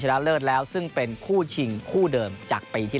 ละเลิศแล้วซึ่งเป็นคู่ชิงคู่เดิมจากปีที่แล้ว